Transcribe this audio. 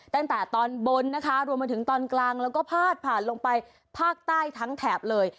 ตั้งแต่ตอนบนนะคะรวมมาถึงตอนกลางแล้วก็พาดผ่านลงไปภาคใต้ทั้งแถบเลย